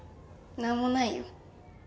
何もないよ